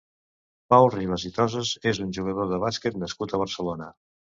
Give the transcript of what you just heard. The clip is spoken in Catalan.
Pau Ribas i Tossas és un jugador de bàsquet nascut a Barcelona.